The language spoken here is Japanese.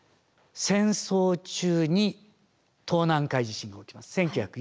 戦争中に東南海地震が起きます。